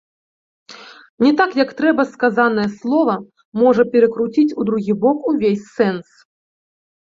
Не так як трэба сказанае слова, можа перакруціць у другі бок увесь сэнс.